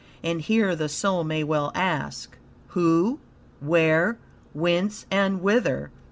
And here the soul may well ask: "Who? Where? Whence and Whither?"